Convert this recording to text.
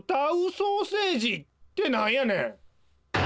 ソーセージってなんやねん！